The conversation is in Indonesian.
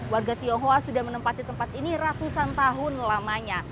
warga tionghoa sudah menempati tempat ini ratusan tahun lamanya